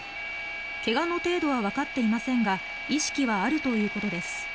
怪我の程度はわかっていませんが意識はあるということです。